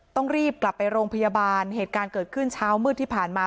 ต้องรีบกลับไปโรงพยาบาลเหตุการณ์เกิดขึ้นเช้ามืดที่ผ่านมา